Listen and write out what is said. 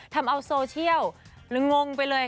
ทำเอาโซเชียลงงไปเลย